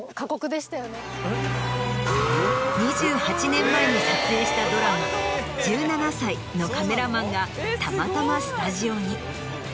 ２８年前に撮影したドラマ『１７才』のカメラマンがたまたまスタジオに。